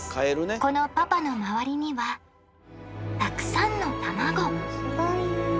このパパの周りにはたくさんのタマゴすごい。